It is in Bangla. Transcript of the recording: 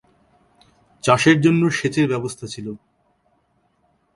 চাষের জন্য সেচের ব্যবস্থা ছিল।